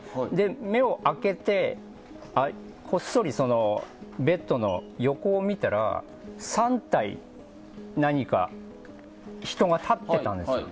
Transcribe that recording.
目を開けてこっそりベッドの横を見たら３体、何か人が立ってたんですよ。